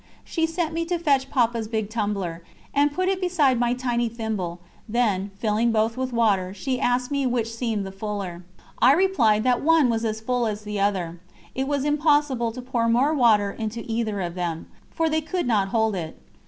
She sent me to fetch Papa's big tumbler, and put it beside my tiny thimble, then, filling both with water, she asked me which seemed the fuller. I replied that one was as full as the other it was impossible to pour more water into either of them, for they could not hold it.